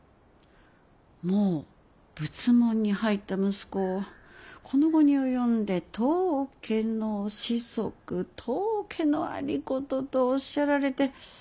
もう仏門に入った息子をこの期に及んで当家の子息当家の有功とおっしゃられて。